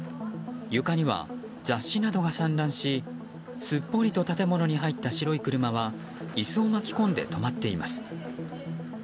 床には雑誌などが散乱しすっぽりと建物に入った白い車は椅子を巻き込んで止まっています。